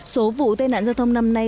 số vụ tai nạn giao thông năm nay